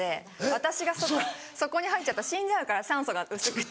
私がそこに入っちゃったら死んじゃうから酸素が薄くて。